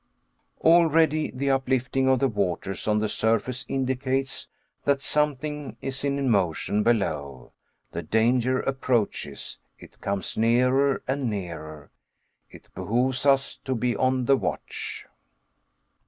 Already the uplifting of the waters on the surface indicates that something is in motion below. The danger approaches. It comes nearer and nearer. It behooves us to be on the watch.